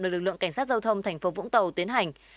được lực lượng cảnh sát giao thông tp vũng tàu tiến hành